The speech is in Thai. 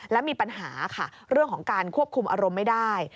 และมีปัญหาค่ะเรื่องของการควบคุมอารมณ์ไม่ได้